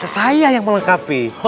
saya yang melengkapi